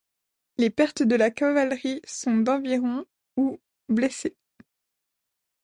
Les pertes de la cavalerie sont d'environ ou blessés.